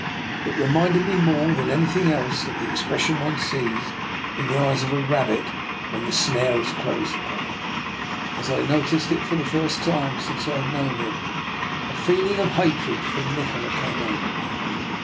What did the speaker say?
It reminded me more than anything else of the expression one sees in the eyes of a rab : DR. NIKOLA'S EXPERIMENT. 155 bit when the snare has closed upon it. As I noticed it, for the first time since I had known him, a feeling of hatred for Nikola came over me.